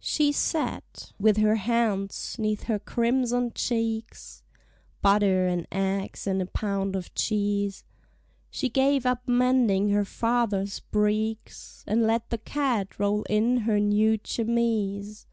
She sat, with her hands 'neath her crimson cheeks; (Butter and eggs and a pound of cheese) She gave up mending her father's breeks, And let the cat roll in her new chemise.